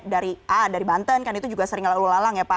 dari a dari banten kan itu juga sering lalu lalang ya pak